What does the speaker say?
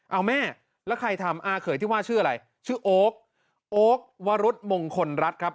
เอาแม่แล้วใครทำอาเขยที่ว่าชื่ออะไรชื่อโอ๊คโอ๊ควรุธมงคลรัฐครับ